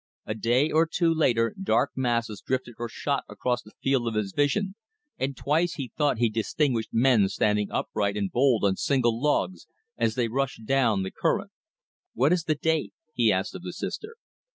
A day or two later dark masses drifted or shot across the field of his vision, and twice he thought he distinguished men standing upright and bold on single logs as they rushed down the current. "What is the date?" he asked of the Sister.